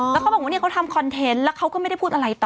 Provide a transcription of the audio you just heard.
แล้วเขาบอกว่าเขาทำคอนเทนต์แล้วเขาก็ไม่ได้พูดอะไรต่อ